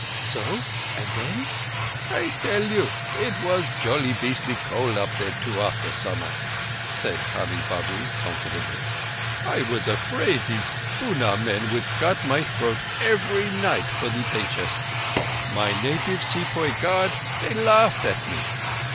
"So? And then?" "I tell you, it was jolly beastly cold up there too, after summer," said Hurree Babu confidentially. "I was afraid these Bunár men would cut my throat every night for thee pay chest. My native sepoy guard, they laughed at me!